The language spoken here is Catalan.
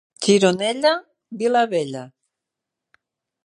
Gironella, vila vella.